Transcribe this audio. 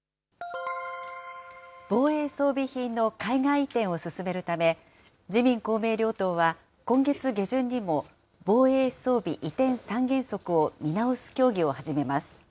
防衛装備品の海外移転を進めるため、自民、公明両党は今月下旬にも、防衛装備移転三原則を見直す協議を始めます。